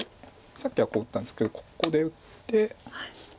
さっきはこう打ったんですけどここで打って。